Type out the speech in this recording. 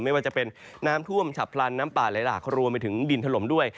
ไม่ว่าจะเป็นน้ำท่วมฉับพลันน้ำป่าไหลหลากรวมไปถึงดินถล่มด้วย